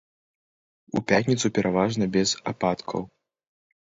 У пятніцу пераважна без ападкаў.